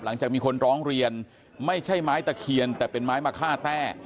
หลังจากมีคนร้องเรียนไม่ใช่ไม้ตะเคียนแต่เป็นไม้มะค่าแต้